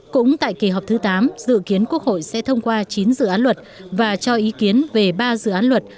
cũng tại kỳ họp thứ tám dự kiến quốc hội sẽ thông qua chín dự án luật và cho ý kiến về ba dự án luật